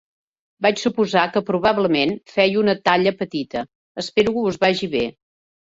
Vaig suposar que probablement fèieu una talla petita, espero que us vagi bé!